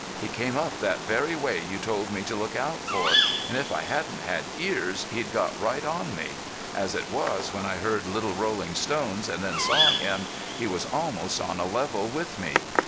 He came up that very way you told me to look out for. And if I hadn't had ears he'd got right on me. As it was, when I heard little rolling stones, and then saw him, he was almost on a level with me.